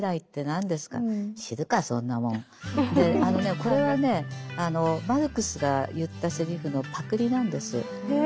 これはねマルクスが言ったセリフのパクリなんです。へ。